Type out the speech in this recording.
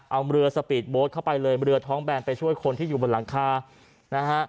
เอาเรือสปีดโบสต์เข้าไปเลยเรือท้องแบนไปช่วยคนที่อยู่บนหลังคานะฮะ